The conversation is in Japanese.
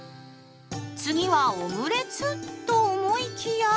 次はオムレツ？と思いきや。